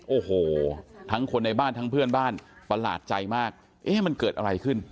โอ้โหทั้งคนในบ้านทั้งเพื่อนบ้านประหลาดใจมากเอ๊ะมันเกิดอะไรขึ้น